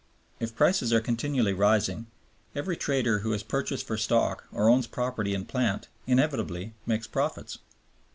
If prices are continually rising, every trader who has purchased for stock or owns property and plant inevitably makes profits.